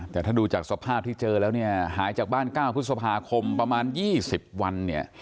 ถ้าดูจากสภาพที่เจอแล้วหายจากบ้านก้าวพุทธภาคมประมาณ๒๐วัน